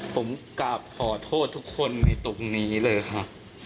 ผมกราบขอโทษทุกคนในตรงนี้เลยค่ะ